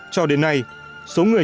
cho đến nay số người